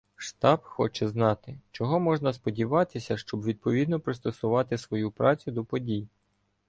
Штаб хоче знати, чого можна сподіватися, щоб відповідно пристосувати свою працю до подій.